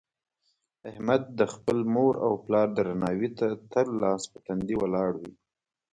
احمد د خپل مور او پلار درناوي ته تل لاس په تندي ولاړ وي.